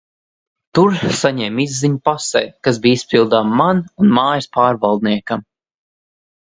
Tur saņēmu izziņu pasei, kas bija izpildāma man un mājas pārvaldniekam.